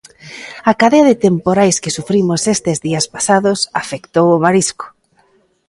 A cadea de temporais que sufrimos estes días pasados afectou o marisco.